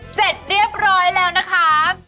เสร็จเรียบร้อยแล้วนะคะ